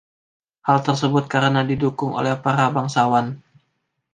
Hal tersebut karena didukung oleh para bangsawan.